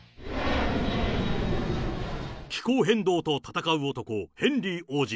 気候変動と戦う男、ヘンリー王子。